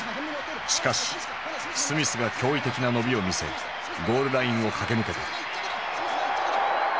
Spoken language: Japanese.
しかしスミスが驚異的な伸びを見せゴールラインを駆け抜けた。